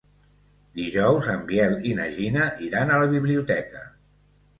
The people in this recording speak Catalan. Dijous en Biel i na Gina iran a la biblioteca.